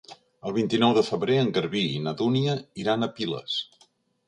El vint-i-nou de febrer en Garbí i na Dúnia iran a Piles.